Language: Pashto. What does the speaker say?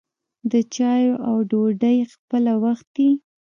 د چايو او ډوډۍ خپله وخت يي.